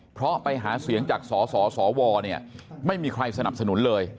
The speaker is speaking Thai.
เพราะไปหาเสียงจากสสวเนี่ยไม่มีใครสนับสนุนเลย